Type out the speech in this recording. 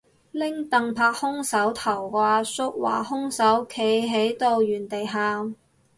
拎櫈拍兇手頭個阿叔話兇手企喺度原地喊